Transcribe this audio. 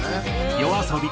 ＹＯＡＳＯＢＩ